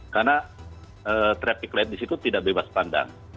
karena traffic light di situ tidak bebas pandang